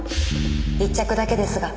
一着だけですが。